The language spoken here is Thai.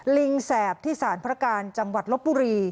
ลิงแสบที่สารพระการจังหวัดลบบุรี